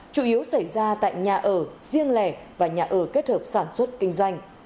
chủ yếu xảy ra tại nhà ở riêng lẻ và nhà ở kết hợp sản xuất kinh doanh